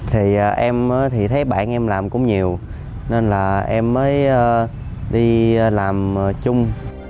thì em thấy bạn em làm cũng nhiều nên là em mới đi làm chung